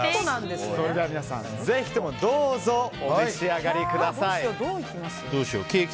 皆さん、ぜひともどうぞお召し上がりください。